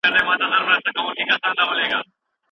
رابعه به نور فعالیت ولري.